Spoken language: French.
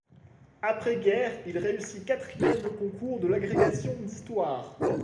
Après-guerre, il réussit quatrième le concours de l'agrégation d'histoire.